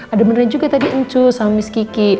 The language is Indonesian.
ada beneran juga tadi encu sama miss kiki